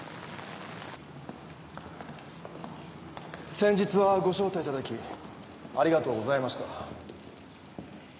先日はご招待いただきありがとうございました。